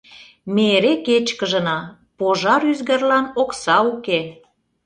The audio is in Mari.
Ме эре кечкыжына: «Пожар ӱзгарлан окса уке!..»